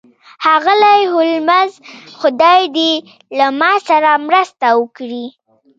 ښاغلی هولمز خدای دې له ما سره مرسته وکړي